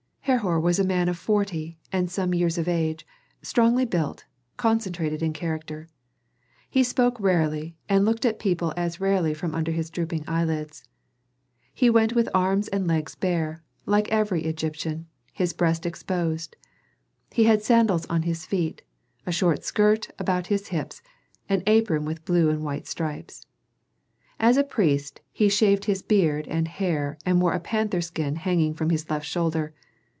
Herhor was a man of forty and some years of age, strongly built, concentrated in character. He spoke rarely, and looked at people as rarely from under his drooping eyelids. He went with arms and legs bare, like every Egyptian, his breast exposed; he had sandals on his feet, a short skirt about his hips, an apron with blue and white stripes. As a priest, he shaved his beard and hair and wore a panther skin hanging from his left shoulder.